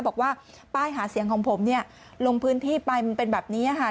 บอกว่าป้ายหาเสียงของผมลงพื้นที่ไปมันเป็นแบบนี้ค่ะ